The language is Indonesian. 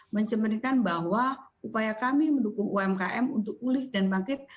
mencemarkan bahwa upaya kami mendukung umkm untuk pulih dan bangkit